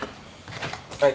はい。